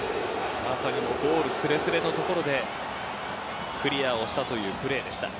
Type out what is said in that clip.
まさにゴールすれすれのところでクリアをしたというプレーでした。